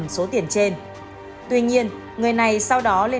xin chào và hẹn gặp lại